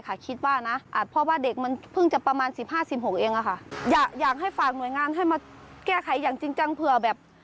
ไม่คิดว่าอันตรายจะตายเลยครับ